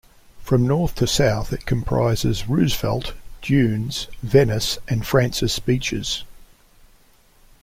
From north to south it comprises Roosevelt, Dunes, Venice, and Francis Beaches.